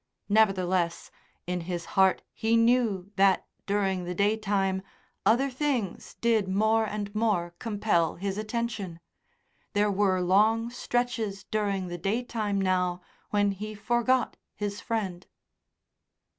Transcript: Nevertheless, in his heart he knew that, during the day time, other things did more and more compel his attention. There were long stretches during the day time now when he forgot his friend.